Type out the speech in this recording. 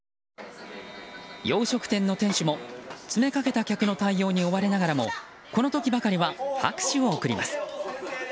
洋食店の店主も詰め掛けた客の対応に追われながらもこの時ばかりは拍手を送ります。